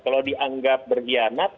kalau dianggap berhianat